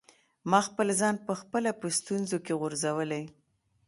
ما خپل ځان په خپله په ستونزو کي غورځولی.